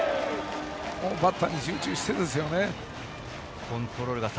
バッターに集中しているんですよね。